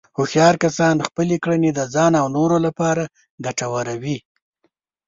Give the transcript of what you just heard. هوښیار کسان خپلې کړنې د ځان او نورو لپاره ګټورې وي.